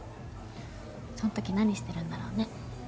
そんとき何してるんだろうね